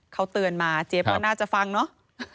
เขาเตือนมาเจี๊ยบก็น่าจะฟังเนอะ